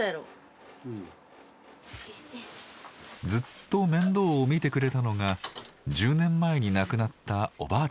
ずっと面倒を見てくれたのが１０年前に亡くなったおばあちゃん。